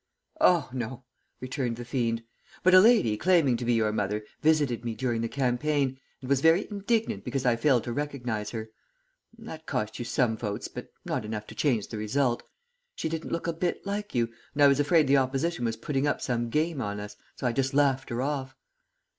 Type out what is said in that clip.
"'Oh, no,' returned the fiend. 'But a lady claiming to be your mother visited me during the campaign, and was very indignant because I failed to recognize her that cost you some votes, but not enough to change the result. She didn't look a bit like you, and I was afraid the opposition was putting up some game on us, so I just laughed her off.'